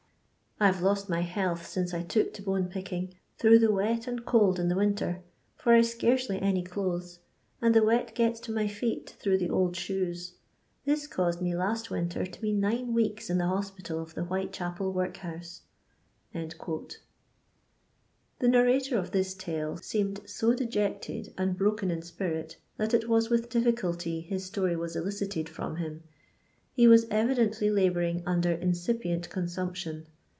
I 've lost my health since I took to bone picking, through the wet and cold in the winter, for I 've scarcely any clothes, and the wet gets to my feet through the old shoes ; this caused me last winter to be nine weeks in the hospital of the Whitechapcl workhouse." The narrator of this tde seemed so dejected and broken in spirit, that it was with difficulty his story was elicited from him. He was evi dently labouring under incipient consumption.